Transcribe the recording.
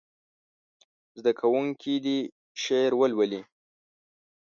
زده کوونکي دې شعر ولولي.